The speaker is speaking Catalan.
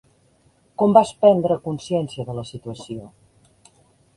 Com vas prendre consciència de la situació?